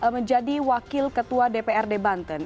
menjadi wakil ketua dpr di banten